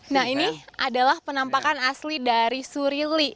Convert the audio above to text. nah ini adalah penampakan asli dari surili